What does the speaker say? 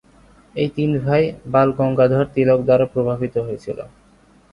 এই তিন ভাই বাল গঙ্গাধর তিলক দ্বারা প্রভাবিত হয়েছিল।